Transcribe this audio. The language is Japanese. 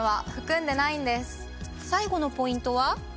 最後のポイントは？